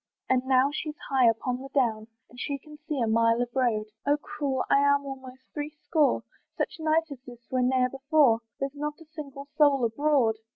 And now she's high upon the down, And she can see a mile of road, "Oh cruel! I'm almost three score; "Such night as this was ne'er before, "There's not a single soul abroad."